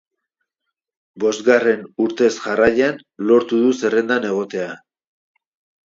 Bosgarren urtez jarraian lortu du zerrendan egotea.